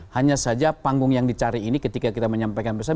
hanya saja panggung yang dicari ini ketika kita menyampaikan pesan